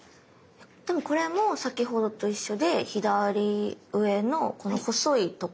でもこれも先ほどと一緒で左上のこの細いところから横に。